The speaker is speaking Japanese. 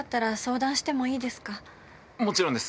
もちろんです。